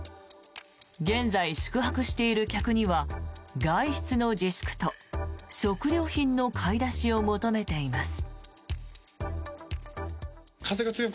現在、宿泊している客には外出の自粛と食料品の買い出しを求めています。